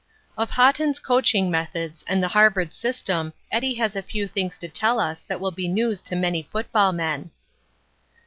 Of Haughton's coaching methods and the Harvard system Eddie has a few things to tell us that will be news to many football men.